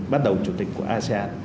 bắt đầu chủ tịch của asean